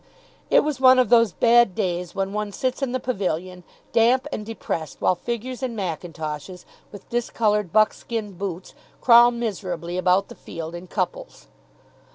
It was one of those bad days when one sits in the pavilion, damp and depressed, while figures in mackintoshes, with discoloured buckskin boots, crawl miserably about the field in couples.